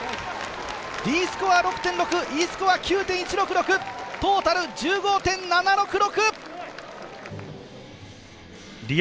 Ｄスコア６．６、Ｅスコア９．１６６。トータル１５．７６６。